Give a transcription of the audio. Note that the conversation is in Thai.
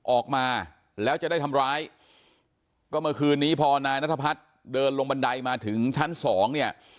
ออกมาแล้วจะได้ทำร้ายก็เมื่อคืนนี้พอนายนัทพัฒน์เดินลงบันไดมาถึงชั้นสองเนี่ย